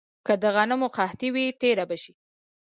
که د غنمو قحطي وي، تېره به شي.